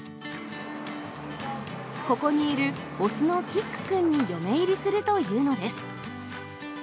ここにいる雄のキックくんに嫁入りするというのです。